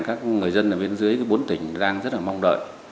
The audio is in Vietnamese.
các người dân ở bên dưới bốn tỉnh đang rất là mong đợi